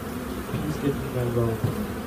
Please give me my robe.